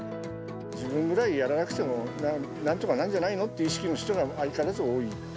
自分ぐらいやらなくてもなんとかなるんじゃないのという意識の人が相変わらず多い。